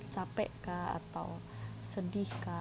capek kak atau sedih kak